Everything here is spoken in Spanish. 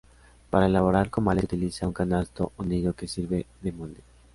Para elaborar comales se utiliza un canasto o "nido", que sirve de molde.